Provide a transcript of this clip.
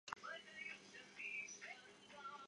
县莅位于丰田市镇。